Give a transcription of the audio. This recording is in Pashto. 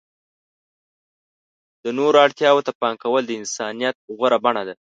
د نورو اړتیاوو ته پام کول د انسانیت غوره بڼه ده.